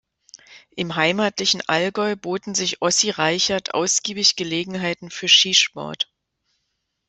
Im heimatlichen Allgäu boten sich Ossi Reichert ausgiebig Gelegenheiten für Skisport.